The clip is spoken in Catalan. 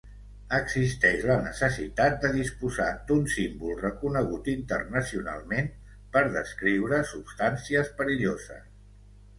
Existeix la necessitat de disposar d"un símbol reconegut internacionalment per descriure substàncies perilloses.